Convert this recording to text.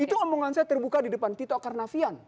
itu omongan saya terbuka di depan tito karnavian